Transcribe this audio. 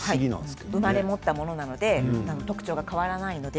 生まれ持ったものなので特徴は変わりません。